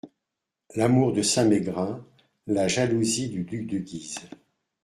L’amour de Saint-Mégrin, la jalousie du duc de Guise…